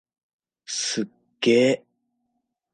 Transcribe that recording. すっげー！